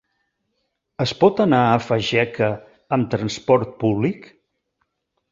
Es pot anar a Fageca amb transport públic?